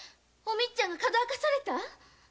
おみっちゃんがかどわかされた！？